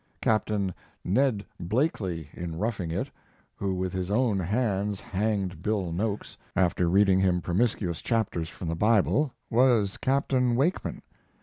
Captain "Ned Blakely," in 'Roughing It', who with his own hands hanged Bill Noakes, after reading him promiscuous chapters from the Bible, was Captain Wakeman.